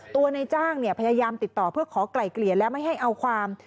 ในจ้างพยายามติดต่อเพื่อขอไกล่เกลี่ยและไม่ให้เอาความ